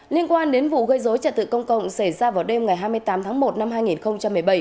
liên quan đến vụ gây dối trật tự công cộng xảy ra vào đêm ngày hai mươi tám tháng một năm hai nghìn một mươi bảy